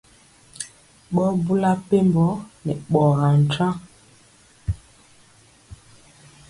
Ɓɔ bula mpembɔ nɛ ɓɔgaa ntaŋ.